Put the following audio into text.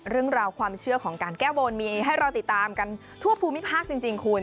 เรื่องราวความเชื่อของการแก้บนมีให้เราติดตามกันทั่วภูมิภาคจริงคุณ